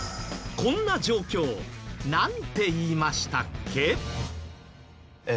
こんな状況なんて言いましたっけ？